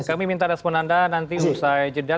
kami minta respon anda nanti usai jeda